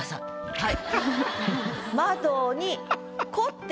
はい。